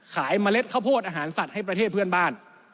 เมล็ดข้าวโพดอาหารสัตว์ให้ประเทศเพื่อนบ้าน